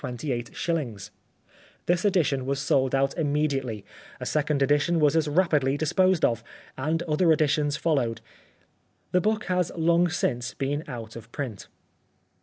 This edition was 14 The Life of Oscar Wilde sold out immediately ; a second edition was as rapidly disposed of, and other editions followed. The book has long since been out of print.